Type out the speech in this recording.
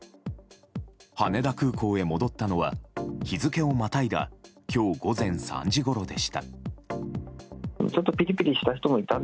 羽田空港へ戻ったのは日付をまたいだ今日午前３時ごろでした。